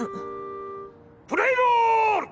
プレイボール！